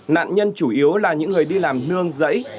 nạn nhân chủ yếu là những người đi làm nương giấy